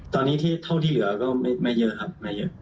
ตอนนี้ที่เท่าที่เหลือก็ไม่เยอะครับไม่เยอะ